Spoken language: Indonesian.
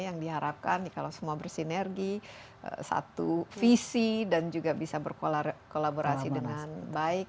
yang diharapkan kalau semua bersinergi satu visi dan juga bisa berkolaborasi dengan baik